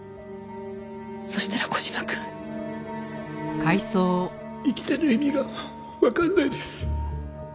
そしたら小島くん。生きてる意味がわかんないです。